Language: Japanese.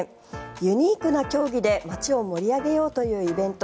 ユニークな競技で町を盛り上げようというイベント